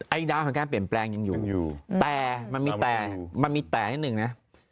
ไอ้ดาวทางกั้นเปลี่ยนแปลงยังอยู่แต่มันมีแต่มันมีแต่อย่างนึงนะ